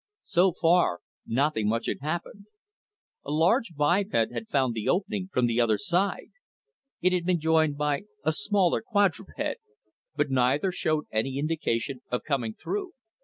So far, nothing much had happened. A large biped had found the opening from the other side. It had been joined by a smaller quadruped; but neither showed any indication yet of coming through.